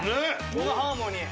このハーモニー。